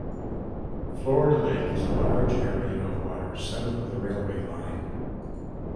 Florida Lake is a large area of water south of the railway line.